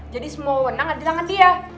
jadi semua wenang ada di tangan dia